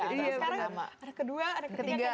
ada kedua ada ketiga